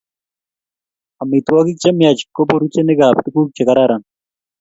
Amitwogik chemiach ko puruchenikap tuguk che kararan